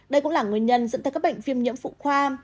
đây cũng là nguyên nhân dẫn tới các bệnh phim nhiễm phụ khoa